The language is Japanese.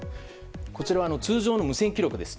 こちらは通常の無線記録です。